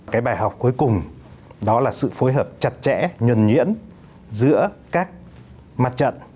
cái bài học cuối cùng đó là sự phối hợp chặt chẽ nhuần nhuyễn giữa các mặt trận